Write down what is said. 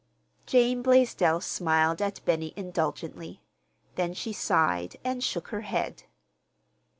Jane Blaisdell smiled at Benny indulgently. Then she sighed and shook her head.